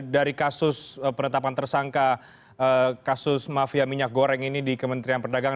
dari kasus penetapan tersangka kasus mafia minyak goreng ini di kementerian perdagangan